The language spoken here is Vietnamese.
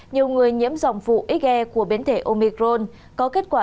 nhiều người nhiễm dòng vụ xe của biến thể omicron có kết quả